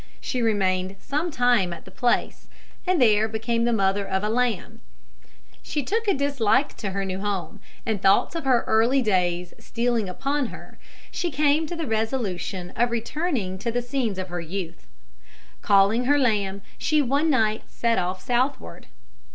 She remained some time at the place, and there became the mother of a lamb. She took a dislike to her new home, and thoughts of her early days stealing upon her, she came to the resolution of returning to the scenes of her youth. Calling her lamb, she one night set off southward.